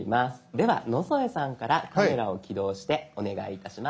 では野添さんからカメラを起動してお願いいたします。